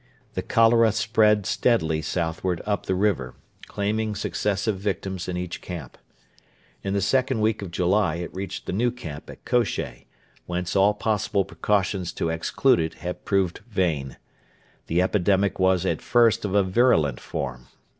The cholera spread steadily southward up the river, claiming successive victims in each camp. In the second week of July it reached the new camp at Kosheh, whence all possible precautions to exclude it had proved vain. The epidemic was at first of a virulent form.